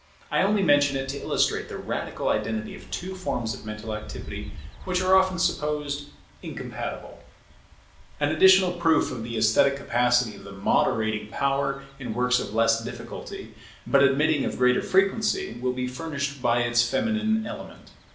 I only mention it to illustrate the radical identity of two forms of mental activity which are often supposed incompatible. [Women's poetry] An additional proof of the esthetic capacity of the moderating power in works of less difficulty, but admitting of greater frequency, will be furnished by its feminine element.